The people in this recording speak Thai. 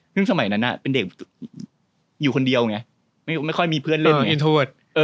ซึ่งสมัยนั้นเป็นเด็กอยู่คนเดียวไงไม่ค่อยมีเพื่อนเล่นโทษ